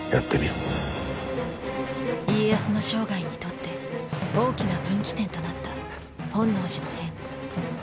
家康の生涯にとって大きな分岐点となった本能寺の変。